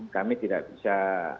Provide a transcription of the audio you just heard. kami tidak bisa